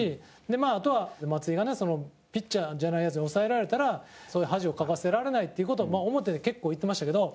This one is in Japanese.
まあ、あとは松井がねピッチャーじゃないヤツに抑えられたらそういう恥をかかせられないっていう事を表で結構言ってましたけど。